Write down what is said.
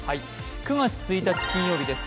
９月１日金曜日です。